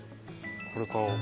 これ買おう。